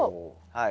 はい。